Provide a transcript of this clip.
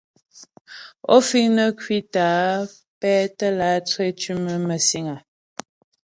Ó fíŋ nə́ ŋkwítə́ á pɛ́tə́ látré ntʉ́mə məsìŋ áá ?